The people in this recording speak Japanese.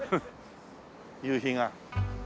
夕日が。